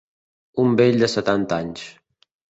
Un vell de setanta anys.